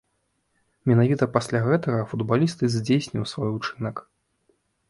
Менавіта пасля гэтага футбаліст і здзейсніў свой учынак.